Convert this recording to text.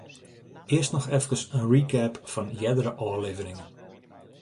Earst noch efkes in recap fan eardere ôfleveringen.